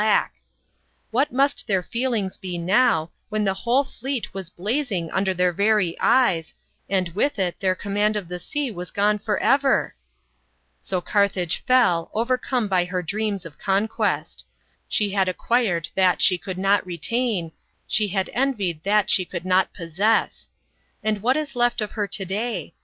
] THE FALL OF CARTHAGE. 173 What must their feelings be now, when the whole fleet was blazing under their very eyes, and with it their command of the sea was gone for ever ! So Carthage fell, overcome by her dreams of conquest. She had acquired that she could not retain, she had envied that, she could not possess. And what is left of her to day?